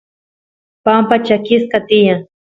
pampa chakisqa tiyan